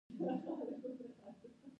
د سينځلو نيالګي يې اېښودل.